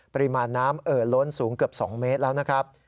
ปริมาณน้ำเอ่อล้นสูงเกือบ๒เมตรแล้วนะครับ